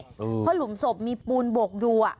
เพราะหลุมศพมีปูนบกอยู่